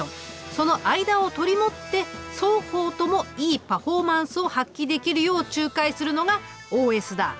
その間を取り持って双方ともいいパフォーマンスを発揮できるよう仲介するのがＯＳだ。